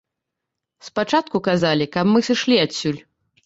Спачатку казалі, каб мы сышлі адсюль.